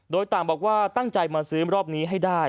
โดยต่างบอกว่าตั้งใจมาซื้อรอบนี้ให้ได้